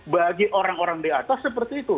bagi orang orang di atas seperti itu